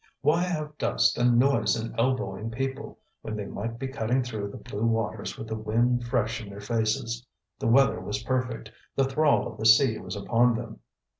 Why have dust and noise and elbowing people, when they might be cutting through the blue waters with the wind fresh in their faces? The weather was perfect; the thrall of the sea was upon them.